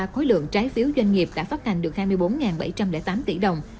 khối lượng trái phiếu doanh nghiệp đã phát hành được hai mươi bốn bảy trăm linh tám tỷ đồng